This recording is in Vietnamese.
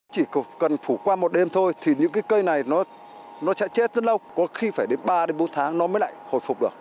chỉ cần phủ qua một đêm thôi thì những cái cây này nó sẽ chết rất lâu có khi phải đến ba bốn tháng nó mới lại hồi phục được